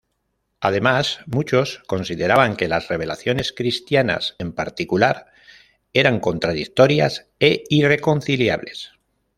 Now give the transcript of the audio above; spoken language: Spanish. Además, muchos consideraban que las revelaciones cristianas, en particular, eran contradictorias e irreconciliables.